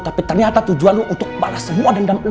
tapi ternyata tujuan lo untuk balas semua dendam uang